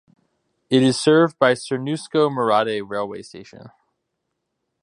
It is served by Cernusco-Merate railway station.